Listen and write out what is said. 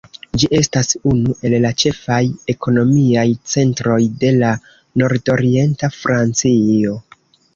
Ĝi estas unu el la ĉefaj ekonomiaj centroj de la nordorienta Francio.